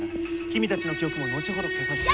君たちの記憶も後ほど消させて。